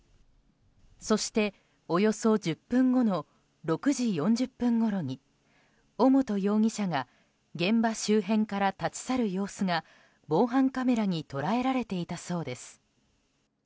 そして、およそ１０分後の６時４０分ごろに尾本容疑者が現場周辺から立ち去る様子が防犯カメラに捉えられていたそうです。